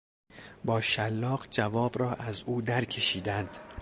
با شلاق جواب را از او در کشیدند.